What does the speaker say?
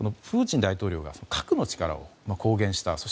プーチン大統領が核の力を公言した。